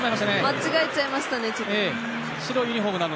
間違えちゃいましたね。